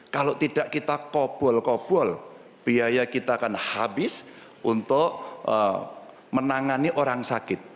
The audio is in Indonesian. kalau tidak kita kopul kopul biaya kita akan habis untuk menangani orang sakit